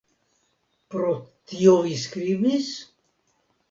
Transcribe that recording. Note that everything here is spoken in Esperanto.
Pro tio vi skribis?